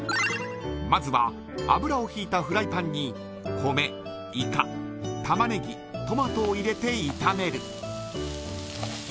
まずは油をひいたフライパンに米、イカ、たまねぎ、トマトを入れて炒める。